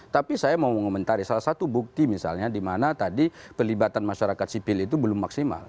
tapi saya mau mengomentari salah satu bukti misalnya di mana tadi pelibatan masyarakat sipil itu belum maksimal